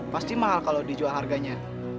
pasti mahal kalau dijual harganya